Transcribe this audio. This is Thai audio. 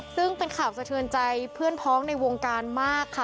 ซึ่งเป็นข่าวสะเทือนใจเพื่อนพ้องในวงการมากค่ะ